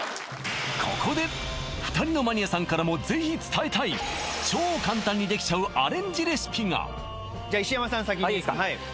ここで２人のマニアさんからもぜひ伝えたい超簡単にできちゃうアレンジレシピがじゃあ石山さん先にあっいいですか？